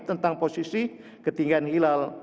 tentang posisi ketinggian hilal